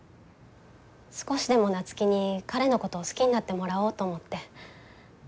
少しでも夏樹に彼のことを好きになってもらおうと思って。